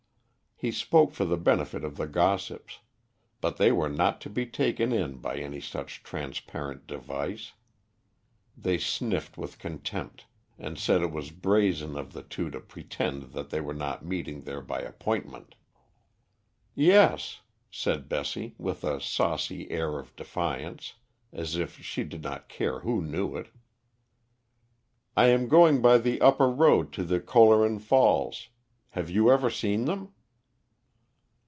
He spoke for the benefit of the gossips; but they were not to be taken in by any such transparent device. They sniffed with contempt, and said it was brazen of the two to pretend that they were not meeting there by appointment. "Yes," said Bessie, with a saucy air of defiance, as if she did not care who knew it; "I am going by the upper road to the Kohleren Falls. Have you ever seen them?"